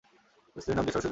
স্ত্রীর নাম সরস্বতী দেবী।